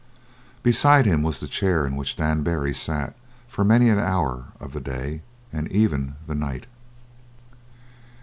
Beside him was the chair in which Dan Barry sat for many an hour of the day and even the night.